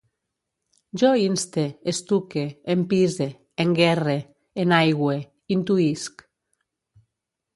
Jo inste, estuque, empise, enguerre, enaigüe, intuïsc